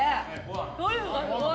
トリュフがすごい。